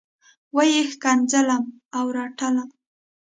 وه یې ښکنځلم او رټلم.